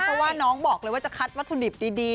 เพราะว่าน้องบอกเลยว่าจะคัดวัตถุดิบดี